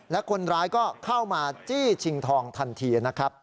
และคนร้ายก็เข้ามาจี้ชิงทองทันทีนะครับ